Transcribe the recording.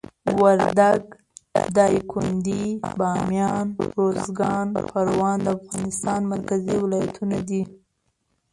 وردګ، دایکندي، بامیان، اروزګان، پروان د افغانستان مرکزي ولایتونه دي.